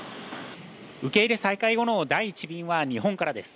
受け入れ再開後の第１便は日本からです。